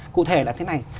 cụ thể là thế này